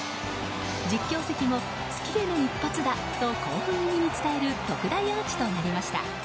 実況席も、月への一発だと興奮気味に伝える特大アーチとなりました。